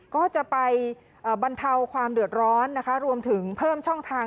ก็จะไปบรรเทาความเดือดร้อนนะคะรวมถึงเพิ่มช่องทาง